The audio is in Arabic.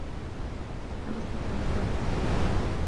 لم أستطع أن أحضر الطّبيب.